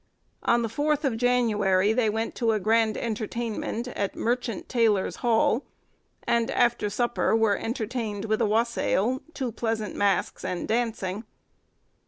On the 4th of January, they went to a grand entertainment, at Merchant Tailors' Hall, and, after supper, were entertained with a wassail, two pleasant masks, and dancing.